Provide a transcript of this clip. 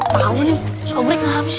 bagaimana kalau kita pindah ke jalan gini